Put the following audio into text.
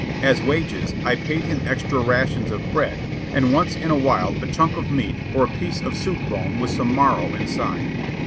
As wages, I paid him extra rations of bread, and once in a while a chunk of meat or a piece of soup bone with some marrow inside.